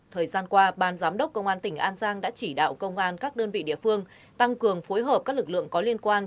thời gian qua ban giám đốc công an tỉnh an giang đã chỉ đạo công an các đơn vị địa phương tăng cường phối hợp các lực lượng có liên quan